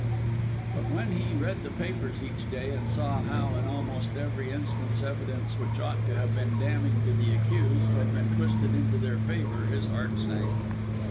But when he read the papers each day, and saw how, in almost every instance, evidence which ought to have been damning to the accused, had been twisted into their favour, his heart sank.